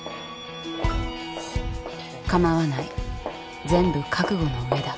かまわない全部覚悟のうえだ。